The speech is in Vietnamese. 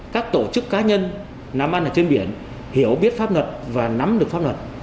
các tổ chức cá nhân làm ăn ở trên biển hiểu biết pháp luật và nắm được pháp luật